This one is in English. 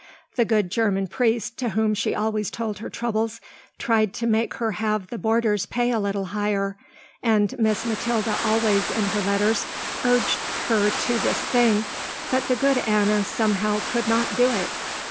The good german priest to whom she always told her troubles tried to make her have the boarders pay a little higher, and Miss Mathilda always in her letters urged her to this thing, but the good Anna somehow could not do it.